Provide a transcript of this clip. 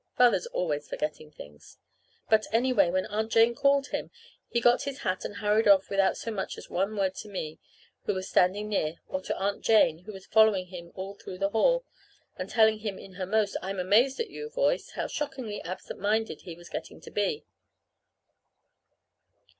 (Father's always forgetting things.) But, anyway, when Aunt Jane called him he got his hat and hurried off without so much as one word to me, who was standing near, or to Aunt Jane, who was following him all through the hall, and telling him in her most I'm amazed at you voice how shockingly absent minded he was getting to be.